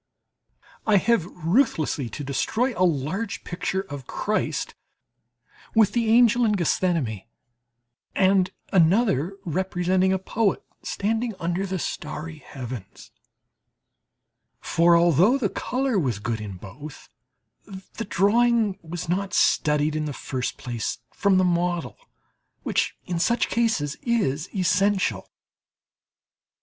I have ruthlessly to destroy a large picture of Christ with the angel in Gethsemane, and another representing a poet standing under the starry heavens; for, although the colour was good in both, the drawing was not studied in the first place from the model, which in such cases is essential.